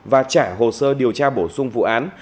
và trả hồ sơ điều tra bổ sung vụ án